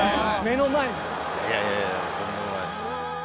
いやいやとんでもないです。